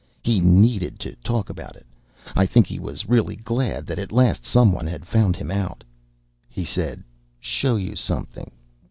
He needed to talk about it. I think he was really glad that, at last, someone had found him out. He said, "Show you something?